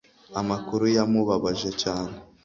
amakuru yamubabaje cyane